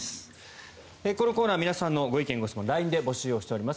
このコーナー皆さんのご意見・ご質問をＬＩＮＥで募集しております。